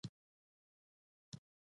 هټۍ دې پرانيستې